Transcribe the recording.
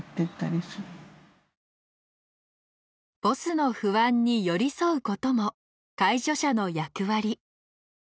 ボスの不安に寄り添うことも介助者の役割。